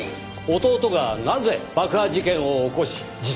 弟がなぜ爆破事件を起こし自殺したのか。